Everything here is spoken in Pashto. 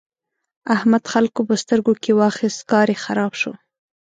احمد خلګو په سترګو کې واخيست؛ کار يې خراب شو.